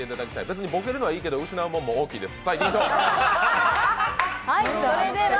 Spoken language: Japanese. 別にぼけるのはいいけど、失うもんが大きいです。